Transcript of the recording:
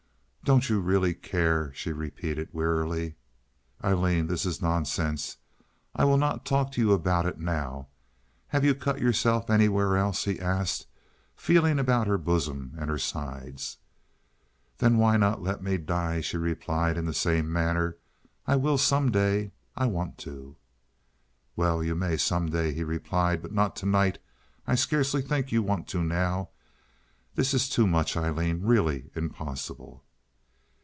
"Don't you really care?" she repeated, wearily. "Aileen, this is nonsense. I will not talk to you about it now. Have you cut yourself anywhere else?" he asked, feeling about her bosom and sides. "Then why not let me die?" she replied, in the same manner. "I will some day. I want to." "Well, you may, some day," he replied, "but not to night. I scarcely think you want to now. This is too much, Aileen—really impossible."